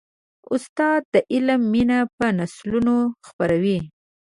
استاد د علم مینه په نسلونو خپروي.